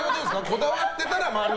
こだわっていたら○。